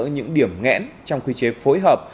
những điểm nghẽn trong quy chế phối hợp